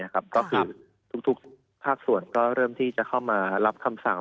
ก็คือทุกภาคส่วนก็เริ่มที่จะเข้ามารับคำสั่ง